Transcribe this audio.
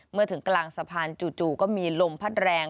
เมื่อถึงกลางสะพานจู่ก็มีลมพัดแรง